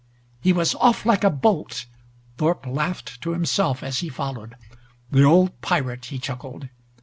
He was off like a bolt. Thorpe laughed to himself as he followed. "The old pirate!" he chuckled.